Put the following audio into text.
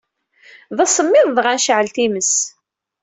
D asmmiḍ, dɣa necɛel times.